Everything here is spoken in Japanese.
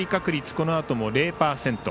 このあとも０％。